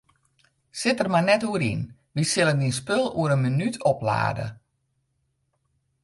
Sit der mar net oer yn, wy sille dyn spul oer in minút oplade.